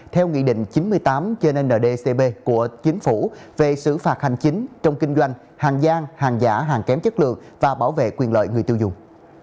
theo nghị định chín mươi tám trên ndcb của chính phủ về xử phạt hành chính trong kinh doanh hàng giang hàng giả hàng kém chất lượng và bảo vệ quyền lợi người tiêu dùng